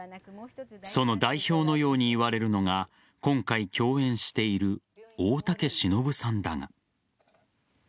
その代表のようにいわれるのが今回、共演している大竹しのぶさんだが。